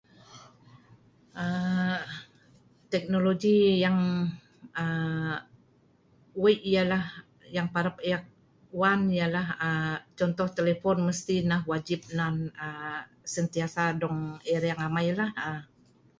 aaa teknologi yang aaa weik ialah yang parap ek wan ialah aa contoh telepon mesti neh wajib nan aa sentiasa dong erang amei lah aa